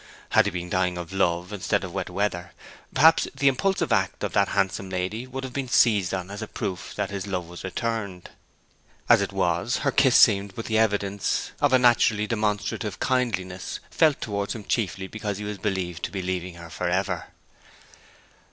Had he been dying of love instead of wet weather, perhaps the impulsive act of that handsome lady would have been seized on as a proof that his love was returned. As it was her kiss seemed but the evidence of a naturally demonstrative kindliness, felt towards him chiefly because he was believed to be leaving her for ever.